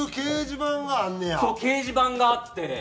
そう掲示板があって。